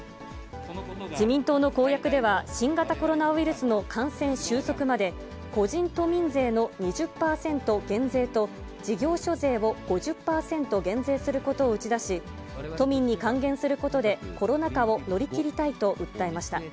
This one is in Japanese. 自民党の公約では、新型コロナウイルスの感染収束まで、個人都民税の２０％減税と、事業所税を５０％減税することを打ち出し、都民に還元することで、コロナ禍を乗り切りたいと訴えました。